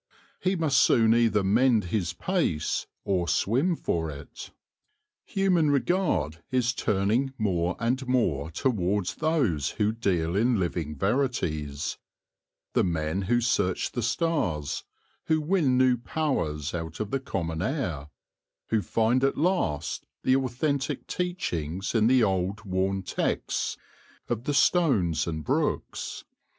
He must soon either mend his pace or swim for it. THE COMMONWEALTH OF THE HIVE 47 Human regard is turning more and more towards those who deal in living verities — the men who search the stars, who win new powers out of the common air, who find at last the authentic teachings in the old worn texts of the stones and brooks.